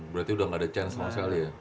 berarti udah gak ada chance sama sekali ya